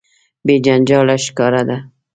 بې جنجاله ښکاره ده.